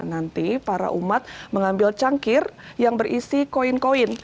nanti para umat mengambil cangkir yang berisi koin koin